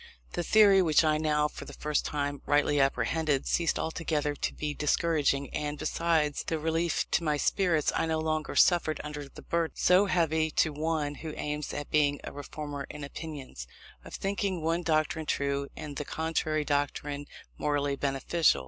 The theory, which I now for the first time rightly apprehended, ceased altogether to be discouraging; and, besides the relief to my spirits, I no longer suffered under the burden so heavy to one who aims at being a reformer in opinions of thinking one doctrine true and the contrary doctrine morally beneficial.